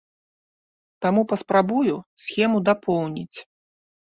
Таму паспрабую схему дапоўніць.